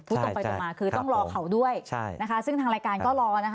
พูดต่อไปต่อมาคือต้องรอเขาด้วยนะคะซึ่งทางรายการก็รอนะคะ